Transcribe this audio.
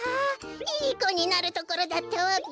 いいこになるところだったわべ。